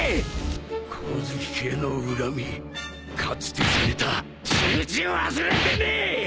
光月家への恨みかつてされた仕打ち忘れてねえ！